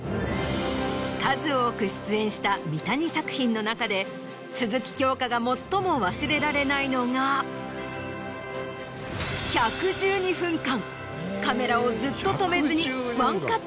数多く出演した三谷作品の中で鈴木京香が最も忘れられないのがカメラをずっと止めずに。